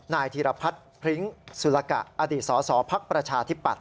ธีรพัฒน์พริ้งสุรกะอดีตสสพักประชาธิปัตย